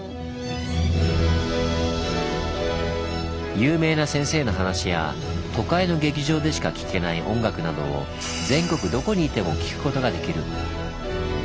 有名な先生の話や都会の劇場でしか聴けない音楽などを全国どこにいても聴くことができる。